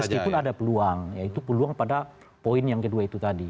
meskipun ada peluang yaitu peluang pada poin yang kedua itu tadi